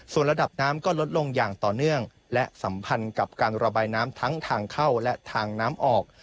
ส่วนระดับน้ำก็ลดลงอย่างต่อเนื่องและสัมพันธ์กับการระบายน้ำทั้งทางเข้าและทางน้ำออก